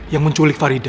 yang menculik farida